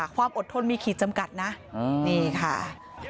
ความอดทนมีขีดจำกัดนะนี่ค่ะ